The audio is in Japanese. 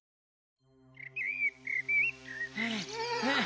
はあはあ。